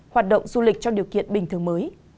hoạt động du lịch trong điều kiện bình thường mới